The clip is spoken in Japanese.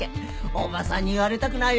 おばさんに言われたくないよね。